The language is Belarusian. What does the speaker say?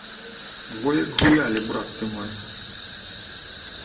Во як гулялі, брат ты мой!